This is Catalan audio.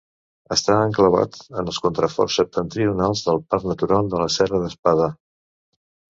Està enclavat en els contraforts septentrionals del Parc natural de la Serra d'Espadà.